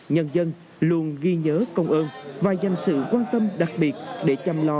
nhân dân luôn ghi nhớ công ơn và dành sự quan tâm đặc biệt để chăm lo